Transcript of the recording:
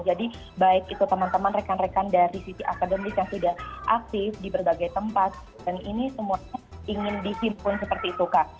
jadi baik itu teman teman rekan rekan dari city academy yang sudah aktif di berbagai tempat dan ini semuanya ingin diperoleh